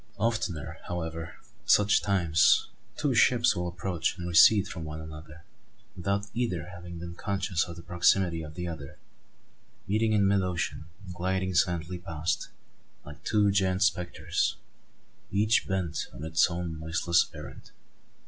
Oftener, however, at such times, two ships will approach and recede from one another, without either having been conscious of the proximity of the other, meeting in mid ocean and gliding silently past, like two giant spectres, each bent on its own noiseless errand.